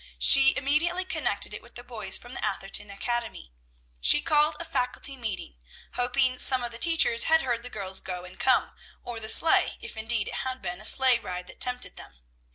She immediately connected it with the boys from the Atherton Academy. She called a Faculty meeting, hoping some of the teachers had heard the girls go and come, or the sleigh, if indeed it had been a sleigh ride that tempted them.